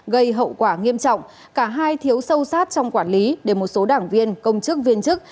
gây hậu quả nghiêm trọng cả hai thiếu sâu sát trong quản lý để một số đảng viên công chức viên chức